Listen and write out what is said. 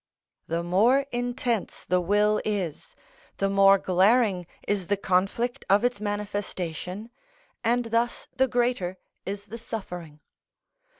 (89) The more intense the will is, the more glaring is the conflict of its manifestation, and thus the greater is the suffering.